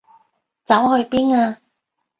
走去邊啊？